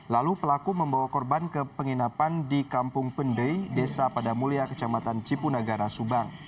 lalu pelaku membawa korban ke penginapan di kampung pendey desa pada mulia kecamatan cipunagara subang